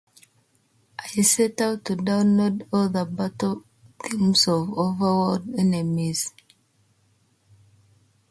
I set out to download all the battle themes of overworld enemies.